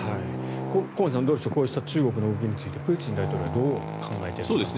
駒木さん、どうでしょうこうした中国の動きについてプーチン大統領はどう考えているか。